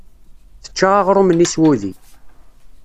Tečča aɣrum-nni s wudi.